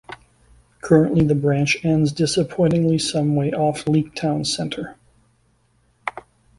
Currently the branch ends disappointingly some way off Leek town centre.